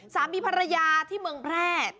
สามีภรรยาที่เมืองแพร่